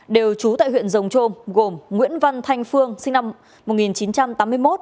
đều trú tại huyện rồng trôm gồm nguyễn văn thanh phương sinh năm một nghìn chín trăm tám mươi một